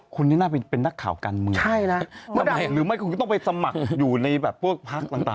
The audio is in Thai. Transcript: คุณนี่น่าไปเป็นหน้าข่าวการเมืองนะคุณต้องไปสมัครอยู่ในพวกพักต่างนะครับ